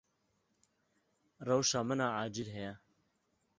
Rewşa min a acîl heye.